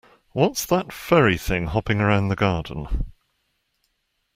What's that furry thing hopping around the garden?